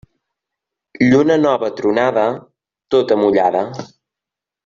Lluna nova tronada, tota mullada.